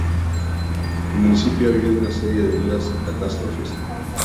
El municipio, ha vivido una serie de duras catástrofes.